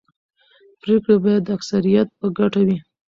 پرېکړې باید د اکثریت په ګټه وي